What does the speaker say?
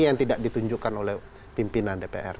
ini yang tidak ditunjukkan oleh pimpinan dpr